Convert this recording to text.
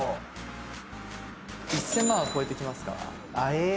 １０００万は超えてきますか。